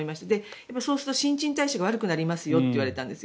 そうすると新陳代謝が悪くなりますよって言われたんです。